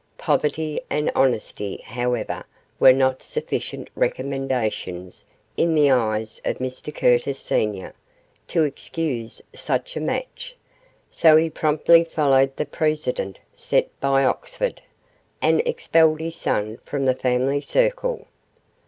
Poverty and honesty, however, were not sufficient recommendations in the eyes of Mr Curtis, senior, to excuse such a match; so he promptly followed the precedent set by Oxford, and expelled his son from the family circle.